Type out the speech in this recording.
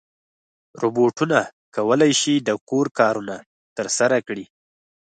روبوټونه کولی شي د کور کارونه ترسره کړي.